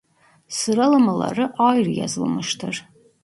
Sıralamaları ayrı yazılmıştır.